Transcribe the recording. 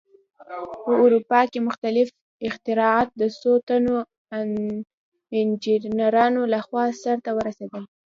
په اروپا کې مختلف اختراعات د څو تنو انجینرانو لخوا سرته ورسېدل.